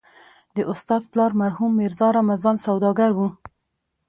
د استاد پلار مرحوم ميرزا رمضان سوداګر و.